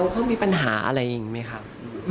เขามีปัญหาอะไรอีกไหมครับ